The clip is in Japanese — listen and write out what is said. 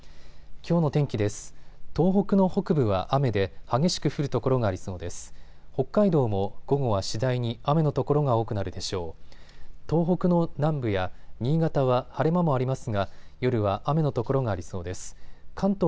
きょうの天気です。